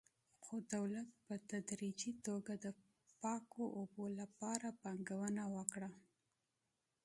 خو دولت په تدریجي توګه د پاکو اوبو لپاره پانګونه وکړه.